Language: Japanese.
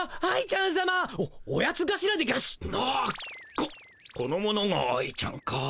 ここの者が愛ちゃんか。